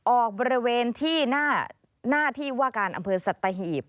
ออกบริเวณที่หน้าที่ว่าการอำเภอสัตหีบ